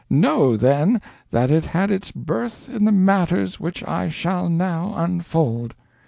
Know, then, that it had its birth in the matters which I shall now unfold.